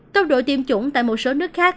tốc độ tiêm chủng tại một số nước khác